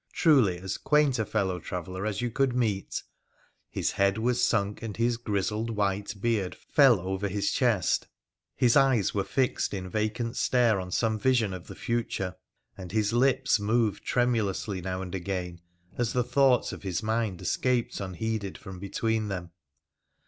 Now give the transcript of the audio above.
Truly as quaint a fellow traveller as you could meet ! Hi3 head was sunk, and his grizzled white beard fell over his chest : his eyes were fixed in vacant stare on some vision of the future ; and his lips moved tremulously now and again as the thoughts of his mind escaped unheeded from between them.